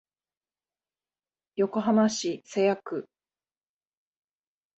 横浜市瀬谷区